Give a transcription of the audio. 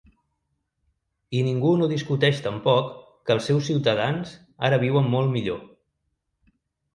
I ningú no discuteix tampoc que els seus ciutadans ara viuen molt millor.